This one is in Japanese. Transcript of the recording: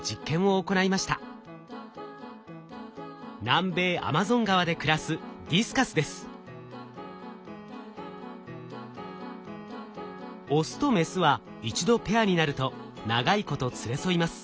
南米アマゾン川で暮らすオスとメスは一度ペアになると長いこと連れ添います。